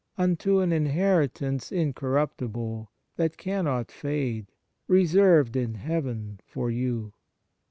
. unto an inheritance in corruptible, that cannot fade, reserved in heaven for you."